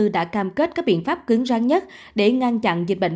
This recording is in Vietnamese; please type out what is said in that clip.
đã cam kết các biện pháp cứng rắn nhất để ngăn chặn dịch bệnh